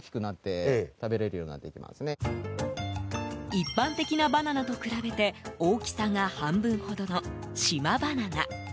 一般的なバナナと比べて大きさが半分ほどの島バナナ。